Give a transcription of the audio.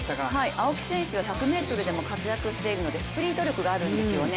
青木選手は１００ｍでも活躍しているのでスプリント力があるんですよね。